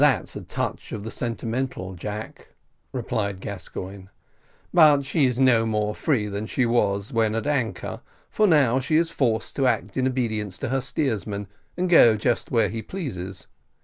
"That's a touch of the sentimental, Jack," replied Gascoigne; "but she is no more free than she was when at anchor, for she now is forced to act in obedience to her steersman, and go just where he pleases.